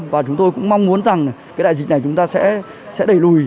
và chúng tôi cũng mong muốn rằng cái đại dịch này chúng ta sẽ đẩy lùi